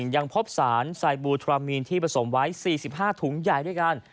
ยังพบสารไซบูทรามีนที่ผสมไว้๔๕ถุงใหญ่ด้วยกัน